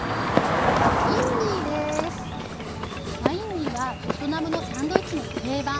バインミーはベトナムのサンドイッチの定番。